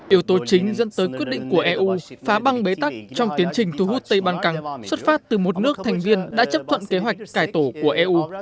yếu tố chính dẫn tới quyết định của eu phá băng bế tắc trong tiến trình thu hút tây ban căng xuất phát từ một nước thành viên đã chấp thuận kế hoạch cải tổ của eu